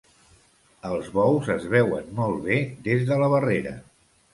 Els bous es veuen molt bé des de la barrera.